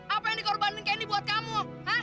apa yang dikorbanin candy buat kamu